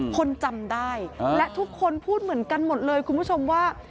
คนจำได้และทุกคนพูดเหมือนกันหมดเลยคุณผู้ชมว่า